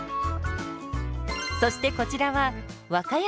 そしてこちらは和歌山県。